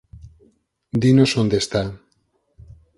Dinos onde está.